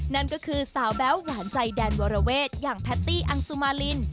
นั่นก็คือสาวแบ๊วหวานใจแดนวรเวทอย่างแพตตี้อังสุมาริน